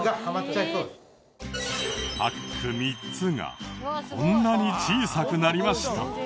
パック３つがこんなに小さくなりました。